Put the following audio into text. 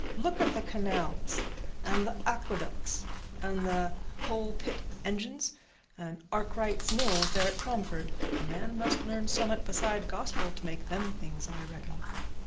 Look at the canals, an' th' aqueduc's, an' th' coal pit engines, and Arkwright's mills there at Cromford; a man must learn summat beside Gospel to make them things, I reckon.